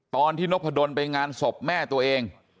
ตอนที่นพดลไปงานศพแม่ตัวเอง